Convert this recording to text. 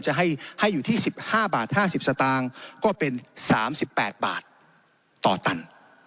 จะให้ให้อยู่ที่สิบห้าบาทห้าสิบสตางก์ก็เป็นสามสิบแปดบาทต่อตัน